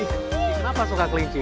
kenapa suka kelinci